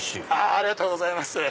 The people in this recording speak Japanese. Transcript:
ありがとうございます。